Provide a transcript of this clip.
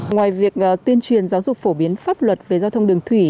ngoài việc tuyên truyền giáo dục phổ biến pháp luật về giao thông đường thủy